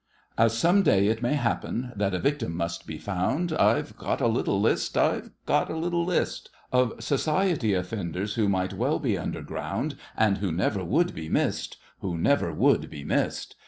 As some day it may happen that a victim must be found, I've got a little list—I've got a little list Of society offenders who might well be underground, And who never would be missed—who never would be missed!